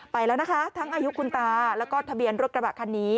ไปแล้วนะคะทั้งอายุคุณตาแล้วก็ทะเบียนรถกระบะคันนี้